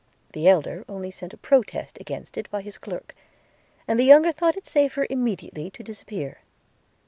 The elder only sent a protest against it by his clerk; and the younger thought it safer immediately to disappear.